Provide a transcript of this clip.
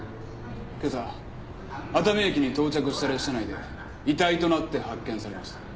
今朝熱海駅に到着した列車内で遺体となって発見されました。